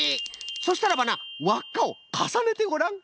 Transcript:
そしたらばなわっかをかさねてごらん！